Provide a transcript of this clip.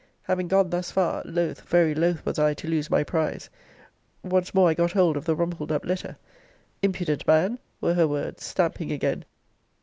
Having gone thus far, loth, very loth, was I to lose my prize once more I got hold of the rumpled up letter! Impudent man! were her words: stamping again.